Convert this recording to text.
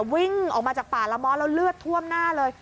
วิ่งออกมาจากป่าละม้อแล้วเลือดท่วมหน้าเลย